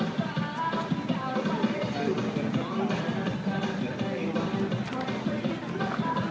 กี่นาทีแล้วเนี่ยเข้าใจว่า๕นาทีแล้ว